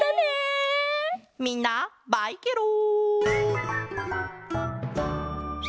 みんなバイケロン！